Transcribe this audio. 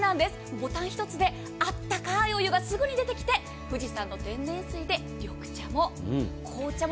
ボタン１つで温かいお湯がすぐに出てきて富士山の天然水で緑茶も紅茶も。